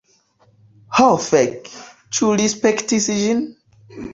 Ho fek, ĉu li spektis ĝin?